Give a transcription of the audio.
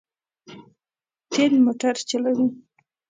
تېل موټر چلوي.